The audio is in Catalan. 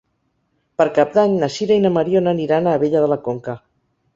Per Cap d'Any na Sira i na Mariona aniran a Abella de la Conca.